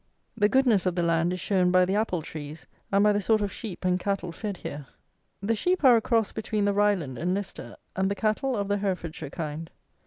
The goodness of the land is shown by the apple trees, and by the sort of sheep and cattle fed here. The sheep are a cross between the Ryland and Leicester, and the cattle of the Herefordshire kind.